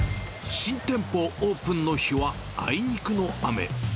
新店舗オープンの日は、あいにくの雨。